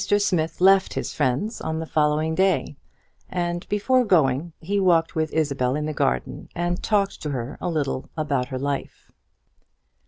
Smith left his friends on the following day; and before going, he walked with Isabel in the garden, and talked to her a little of her life.